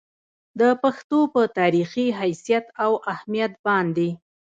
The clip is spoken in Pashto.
د پښتو پۀ تاريخي حېثيت او اهميت باندې